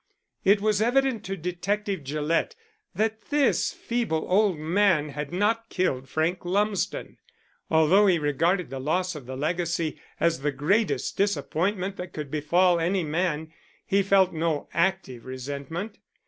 It was evident to Detective Gillett that this feeble old man had not killed Frank Lumsden. Although he regarded the loss of the legacy as the greatest disappointment that could befall any man, he felt no active resentment.